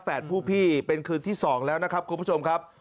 ผู้พี่เป็นคืนที่๒แล้วนะครับคุณผู้ชมครับ